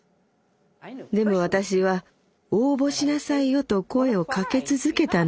でも私は応募しなさいよと声をかけ続けたの。